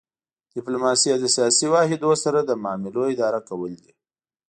ډیپلوماسي د سیاسي واحدونو سره د معاملو اداره کول دي